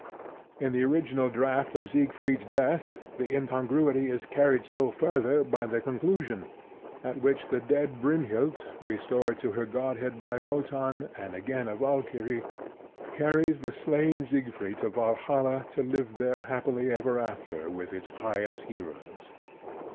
In the original draft of Siegfried's Death, the incongruity is carried still further by the conclusion, at which the dead Brynhild, restored to her godhead by Wotan, and again a Valkyrie, carries the slain Siegfried to Valhalla to live there happily ever after with its pious heroes.